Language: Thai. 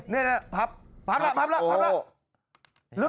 นี่นะพับแล้วพับแล้วพับแล้ว